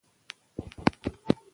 که احساس نه وي، هنر نه ایجاديږي.